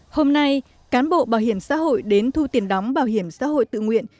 hôm nay cán bộ bảo hiểm xã hội đến thu tiền đóng bảo hiểm xã hội tự nguyện